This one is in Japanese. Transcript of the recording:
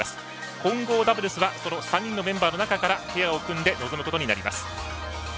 混合ダブルスはその３人のメンバーの中からペアを組んで臨むことになります。